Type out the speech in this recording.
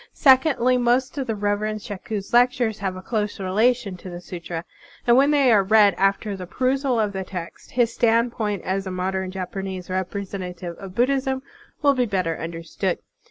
Sec ondly, most of the Reverend Shaku's lectures have a close relation to the sutra; and when they are read after the perusal of the text, his stand point as a modem Japanese representative of Buddhism will be better understood.